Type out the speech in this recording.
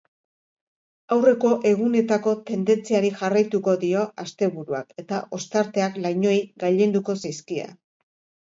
Aurreko egunetako tendentziari jarraituko dio asteburuak eta ostarteak lainoei gailenduko zaizkie.